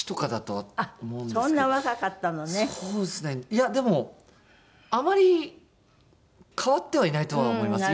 いやでもあまり変わってはいないとは思います